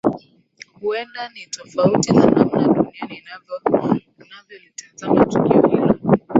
huenda ni tofauti na namna dunia inavyolitazama tukio hilo